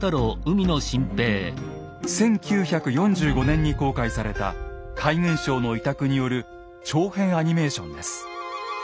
１９４５年に公開された海軍省の委託による長編アニメーションです。